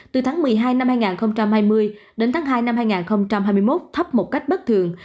từ tháng một mươi hai năm hai nghìn hai mươi đến tháng hai năm hai nghìn hai mươi một thấp một cách bất thường